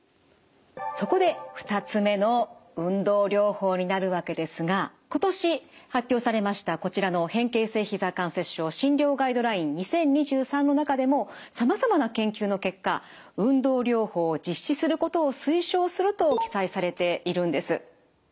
そこで２つ目の運動療法になるわけですが今年発表されましたこちらの「変形性膝関節症診療ガイドライン２０２３」の中でもさまざまな研究の結果運動療法を実施することを推奨すると記載されているんです。